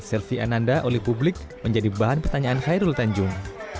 selvi ananda oleh publik menjadi bahan pertanyaan khairul tanjung